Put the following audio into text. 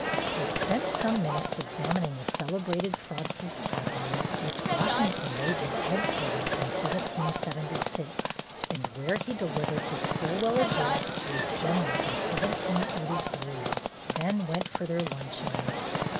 They spent some minutes examining the cel ebrated Fraunces's Tavern, which Washington made his headquarters in 1776 and where he delivered his farewell address to his generals in 1783, then went for their luncheon.